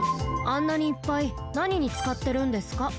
あんなにいっぱいなににつかってるんですか？